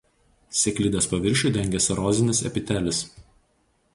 Sėklidės paviršių dengia serozinis epitelis.